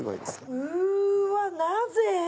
うわなぜ。